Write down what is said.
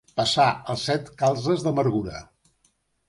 Passar els set calzes d'amargura.